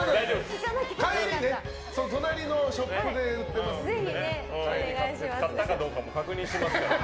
隣のショップで売ってますからね。